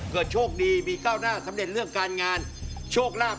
โชคดีมีก้าวหน้าสำเร็จเรื่องการงานโชคลาภ